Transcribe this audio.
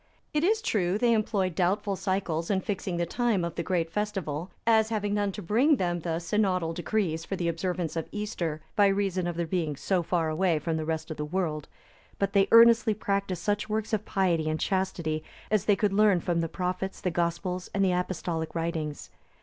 It is true they employed doubtful cycles in fixing the time of the great festival, as having none to bring them the synodal decrees for the observance of Easter, by reason of their being so far away from the rest of the world; but they earnestly practised such works of piety and chastity as they could learn from the Prophets, the Gospels and the Apostolic writings.